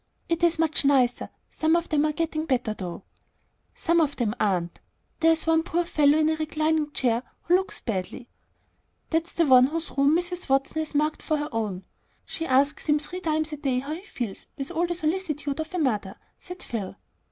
"It is much nicer. Some of them are getting better, though." "Some of them aren't. There's one poor fellow in a reclining chair who looks badly." "That's the one whose room Mrs. Watson has marked for her own. She asks him three times a day how he feels, with all the solicitude of a mother," said Phil.